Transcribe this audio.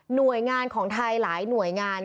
หน่วยงานของไทยหลายหน่วยงาน